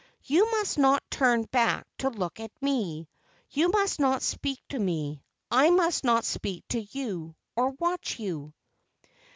You must not turn back to look at me. You must not speak to me. I must not speak to you, or watch you."